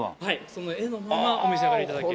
その絵のままお召し上がり頂ける。